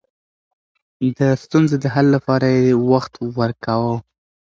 د ستونزو د حل لپاره يې وخت ورکاوه.